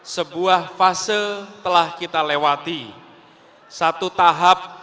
selanjutnya kami pasang tanah pesos